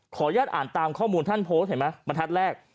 ขออนุญาตอ่านตามข้อมูลท่านโพสต์เห็นไหมบรรทัศน์แรก